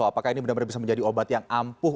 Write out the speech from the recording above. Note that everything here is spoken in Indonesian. apakah ini benar benar bisa menjadi obat yang ampuh